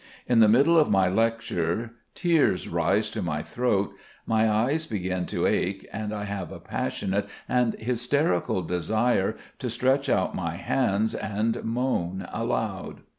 In the middle of my lecture tears rise to my throat, my eyes begin to ache, and I have a passionate and hysterical desire to stretch out my hands and moan aloud.